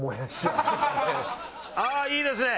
ああいいですね。